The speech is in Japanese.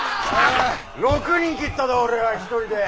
６人斬ったど俺は１人で。